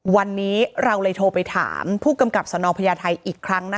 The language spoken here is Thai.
วันนี้เราเลยโทรไปถามผู้กำกับสนพญาไทยอีกครั้งนะคะ